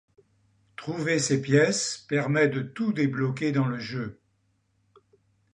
Trouver ces pièces permet de tout débloquer dans le jeu.